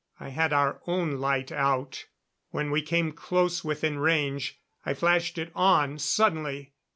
I had our own light out. When we came close within range I flashed it on suddenly.